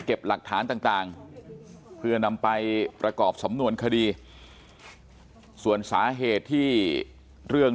หลักฐานต่างเพื่อนำไปประกอบสำนวนคดีส่วนสาเหตุที่เรื่อง